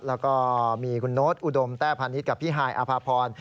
แล้วก็มีคุณโน๊ตอุดมแต้พาณิชย์กับพี่ฮายอภาพร